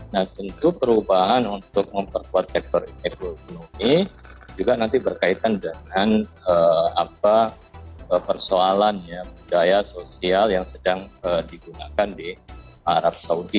nah tentu perubahan untuk memperkuat sektor ekonomi juga nanti berkaitan dengan persoalan budaya sosial yang sedang digunakan di arab saudi